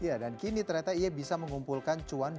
ya dan kini ternyata ia bisa mengumpulkan cuan